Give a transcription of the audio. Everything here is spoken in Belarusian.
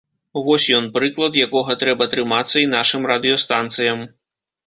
Вось ён прыклад, якога трэба трымацца і нашым радыёстанцыям.